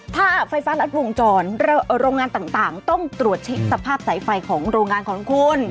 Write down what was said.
ถ้าไฟฟ้ารัดวงจรโรงงานต่างต้องตรวจเช็คสภาพสายไฟของโรงงานของคุณ